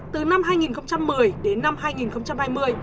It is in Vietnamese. từ năm hai nghìn một mươi đến năm hai nghìn hai mươi